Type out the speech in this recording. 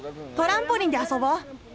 トランポリンで遊ぼう！